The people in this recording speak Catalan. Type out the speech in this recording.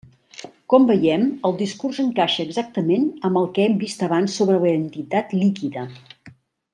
Com veiem, el discurs encaixa exactament amb el que hem vist abans sobre la identitat líquida.